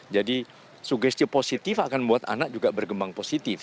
jadi sugesti positif akan membuat anak juga bergembang positif